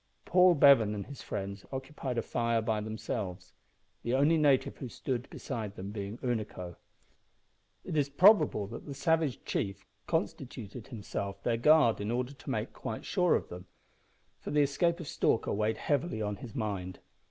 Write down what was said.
Paul Bevan and his friends occupied a fire by themselves, the only native who stood beside them being Unaco. It is probable that the savage chief constituted himself their guard in order to make quite sure of them, for the escape of Stalker weighed heavily on his mind.